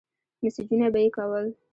مسېجونه به يې کول.